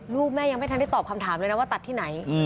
ลูกแม่ยังไม่ทันได้ตอบคำถามเลยนะว่าตัดที่ไหน